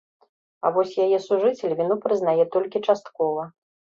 А вось яе сужыцель віну прызнае толькі часткова.